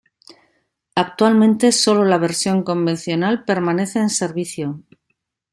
Actualmente, sólo la versión convencional permanece en servicio.